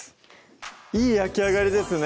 いい焼き上がりですね